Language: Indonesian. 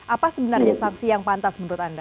apa sebenarnya saksi yang pantas menurut anda